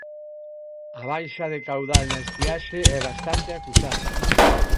A baixa de caudal na estiaxe é bastante acusada.